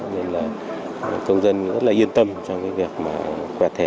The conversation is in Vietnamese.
nên là công dân rất là yên tâm trong việc quẹt thẻ qua cái máy đọc thẻ này